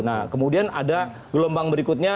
nah kemudian ada gelombang berikutnya